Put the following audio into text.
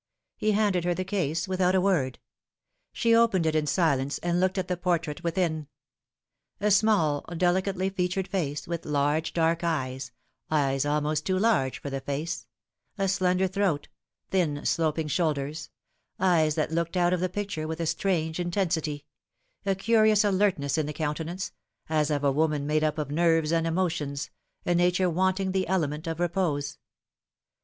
He handed her the case without a word. She opened it in silence and looked at the portrait within. A small, delicately featured face, with large dark eyes eyes almost too largo for the face a slender throat, thin sloping shoulders eyes that looked out of the picture with a strange intensity a curious alertness in the countenance, as of a woman made up of nerves and emotions, a nature wanting the element of repose.